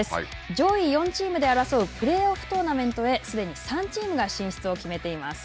上位４チームで争うプレーオフトーナメントへ、すでに３チームが進出を決めています。